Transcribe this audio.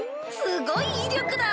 すごい威力だ。